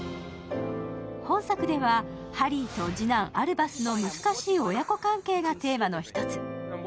本作では、ハリーと次男アルバスの難しい親子関係がテーマの１つ。